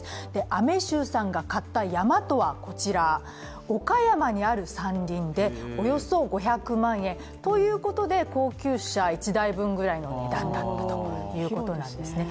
雨柊さんが買った山とはこちら、岡山にある山林でおよそ５００万円、ということで高級車１台分ぐらいの値段だったということなんですね。